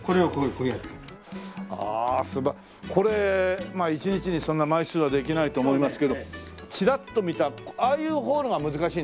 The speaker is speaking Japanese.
ああこれ１日にそんな枚数はできないと思いますけどちらっと見たああいう方のが難しいんですか？